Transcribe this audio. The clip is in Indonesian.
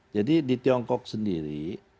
jadi di tiongkok sendiri